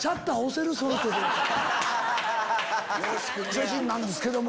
写真なんですけども。